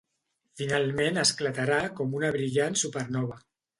Finalment esclatarà com una brillant supernova.